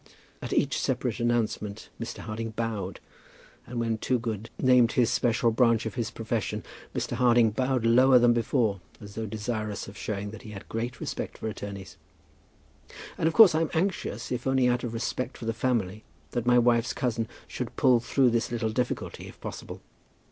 At each separate announcement Mr. Harding bowed, and when Toogood named his special branch of his profession Mr. Harding bowed lower than before, as though desirous of showing that he had great respect for attorneys. "And of course I'm anxious, if only out of respect for the family, that my wife's cousin should pull through this little difficulty, if possible."